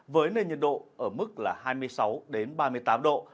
với nền nhiệt độ ở mức là hai mươi sáu ba mươi tám độ